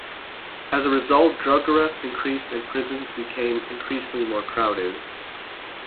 As a result, drug arrests increased and prisons became increasingly more crowded.